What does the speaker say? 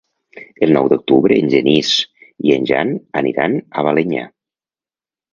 El nou d'octubre en Genís i en Jan aniran a Balenyà.